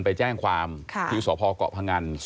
ไปแจ้งความที่สพเกาะพงัน